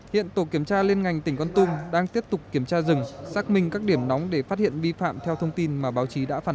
hiện tổ kiểm tra liên ngành tỉnh con tum đang tiếp tục kiểm tra rừng xác minh các điểm nóng để phát hiện vi phạm theo thông tin mà báo chí đã phản ánh